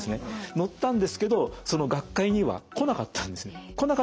載ったんですけどその学会には来なかったんです。